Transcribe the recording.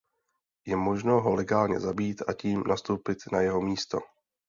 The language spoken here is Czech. Je možno ho legálně zabít a tím nastoupit na jeho místo.